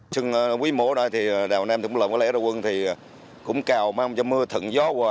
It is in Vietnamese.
trường quý mô đó thì đào nam thủng lộng có lễ độ quân thì cũng cao mà không cho mưa thận gió qua